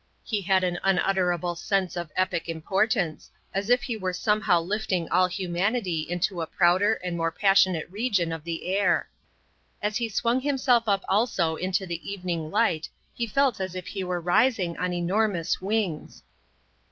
He had an unutterable sense of epic importance, as if he were somehow lifting all humanity into a prouder and more passionate region of the air. As he swung himself up also into the evening light he felt as if he were rising on enormous wings.